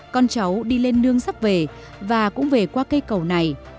con cháu đi lên nương sắp về và cũng về qua cây cầu này